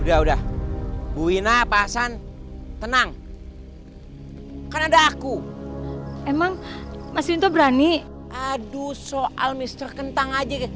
udah udah bu wina pasan tenang karena ada aku emang masih berani aduh soal mister kentang aja